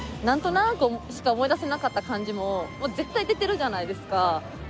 何となくしか思い出せなかった漢字も絶対出てるじゃないですか。